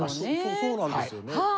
そうなんですよね。